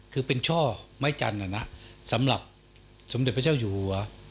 คือเป็นช่อไม้จันทร์สำหรับสมเด็จพระเจ้าอยู่หัว